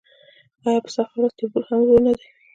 آیا په سخته ورځ تربور هم ورور نه وي؟